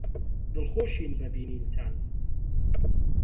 دڵخۆشین بە بینینتان.